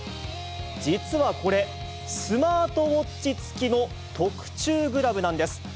実はこれ、スマートウォッチ付きの特注グラブなんです。